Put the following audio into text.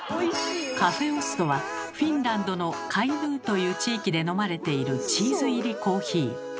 カフェオストはフィンランドのカイヌーという地域で飲まれているチーズ入りコーヒー。